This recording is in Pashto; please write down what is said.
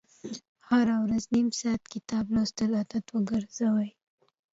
هره ورځ نیم ساعت کتاب لوستل عادت وګرځوئ.